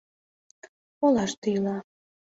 Олаште ила.